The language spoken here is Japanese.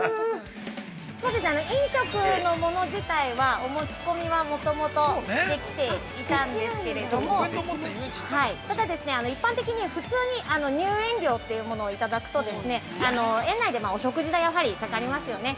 ◆飲食のもの自体は、お持ち込みはもともとできていたんですけれどもただ、一般的に普通に入園料というものをいただくと園内でお食事代がかかりますよね。